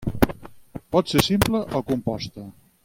Pot ser simple o composta.